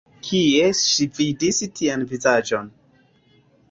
Kie ŝi vidis tian vizaĝon?